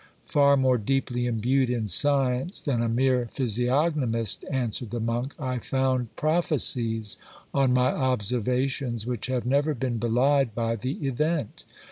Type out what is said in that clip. Far more deeply imbued in science than a mere physiognomist answered the monk, I found prophecies on my observations which have never been belied by the event.